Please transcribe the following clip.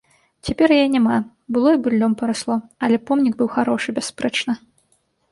Цяпер яе няма, было і быллём парасло, але помнік быў харошы, бясспрэчна.